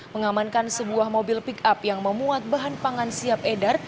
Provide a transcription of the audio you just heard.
mengamankan sebuah mobil pick up yang memuat bahan pangan siap edar